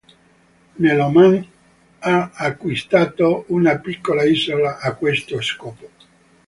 Nell'Oman ha acquistato una piccola isola a questo scopo.